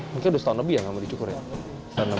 mungkin sudah setahun lebih ya nggak mau dicukur ya